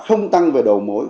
không tăng về đầu mối